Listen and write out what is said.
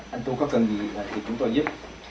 anh tú có cần gì thì chúng tôi giúp